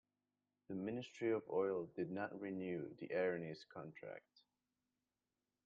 The Ministry of Oil did not renew the Erinys contract.